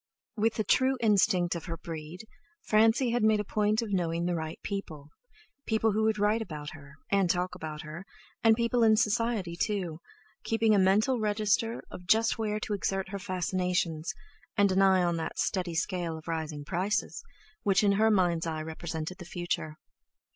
With the true instinct of her breed, Francie had made a point of knowing the right people—people who would write about her, and talk about her, and people in Society, too—keeping a mental register of just where to exert her fascinations, and an eye on that steady scale of rising prices, which in her mind's eye represented the future.